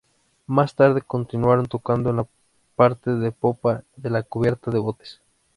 Más tarde continuaron tocando en la parte de popa de la cubierta de botes.